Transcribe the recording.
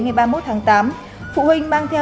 ngày ba mươi một tháng tám phụ huynh mang theo